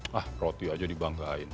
wah roti aja dibanggain